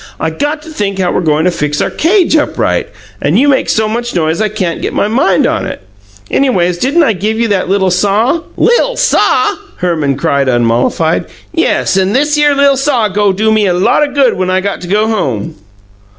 "I got to think how we're goin' to fix our cage up right, and you make so much noise I can't get my mind on it. Anyways, didn't I give you that little saw?" "Li'l saw!" Herman cried, unmollified. "Yes; an' thishere li'l saw go' do me lot o' good when I got to go home!"